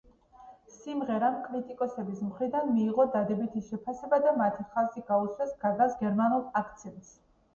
სიმღერამ კრიტიკოსების მხრიდან მიიღო დადებითი შეფასება და მათ ხაზი გაუსვევს გაგას გერმანულ აქცენტს.